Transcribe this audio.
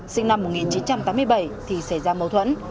sinh năm một nghìn chín trăm tám mươi bảy thì xảy ra mâu thuẫn